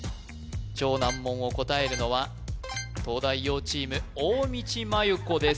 超難問を答えるのは東大王チーム大道麻優子です